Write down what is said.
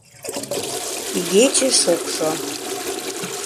Игече шокшо.